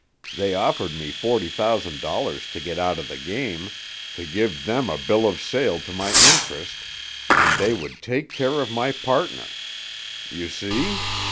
They offered me forty thousand dollars to get out of the game, to give them a bill of sale of my interest—and they would take care of my partner. You see?